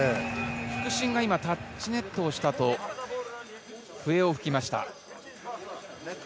副審が今、タッチネットをしたと笛を吹きました。